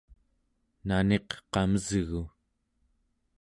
naniq qamesgu